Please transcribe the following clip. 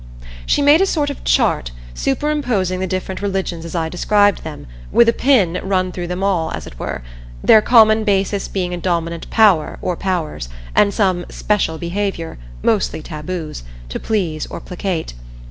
She made a sort of chart, superimposing the different religions as I described them, with a pin run through them all, as it were; their common basis being a Dominant Power or Powers, and some Special Behavior, mostly taboos, to please or placate.